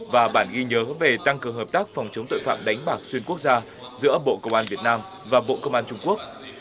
và bản ghi nhớ về tăng cường hợp tác phòng chống tội phạm đánh bạc xuyên quốc gia giữa bộ công an việt nam và bộ công an trung quốc